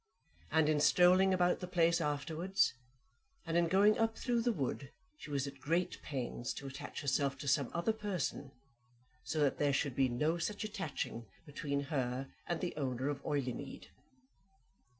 And in strolling about the place afterwards, and in going up through the wood, she was at great pains to attach herself to some other person, so that there should be no such attaching between her and the owner of Oileymead.